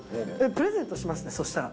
プレゼントしますね、そしたら。